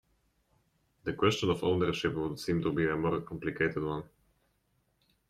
The question of ownership would seem to be a more complicated one.